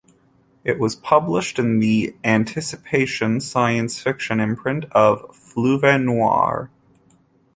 It was published in the "Anticipation" science fiction imprint of "Fleuve noir".